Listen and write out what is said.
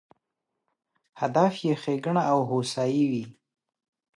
هدف یې ښېګڼه او هوسایي وي.